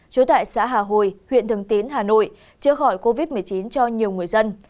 trú tại xã hà hồi huyện thường tín hà nội chữa khỏi covid một mươi chín cho nhiều người dân